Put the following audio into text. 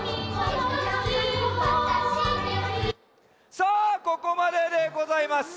さあここまででございます。